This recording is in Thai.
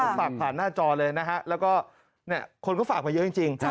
ผมฝากผ่านหน้าจอเลยนะฮะแล้วก็คนก็ฝากมาเยอะจริง